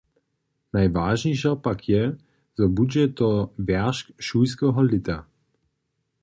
Najwažnišo pak je, zo budźe to wjeršk šulskeho lěta.